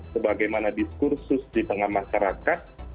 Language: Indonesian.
sebagaimana diskursus di tengah masyarakat